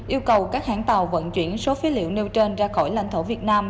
yêu cầu các hãng tàu vận chuyển số phế liệu nêu trên ra khỏi lãnh thổ việt nam